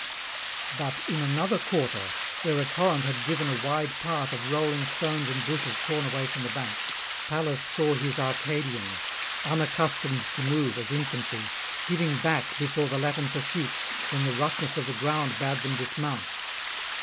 But in another quarter, where a torrent had driven a wide path of rolling stones and bushes torn away from the banks, Pallas saw his Arcadians, unaccustomed to move as infantry, giving back before the Latin pursuit, when the [366 400]roughness of the ground bade them dismount.